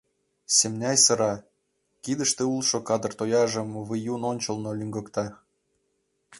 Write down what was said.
— Семняй сыра, кидыште улшо кадыр тояжым Выюн ончылно лӱҥгыкта.